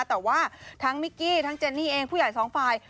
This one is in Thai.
แต่ว่าทั้งมิกกี้ทั้งเจนนี่เองผู้ใหญ่สองฝ่าย